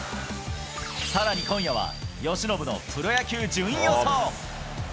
さらに今夜は、由伸のプロ野球順位予想。